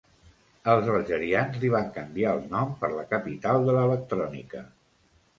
Els algerians li van canviar el nom per la Capital de l"electrònica.